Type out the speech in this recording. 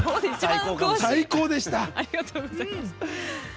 最高でした。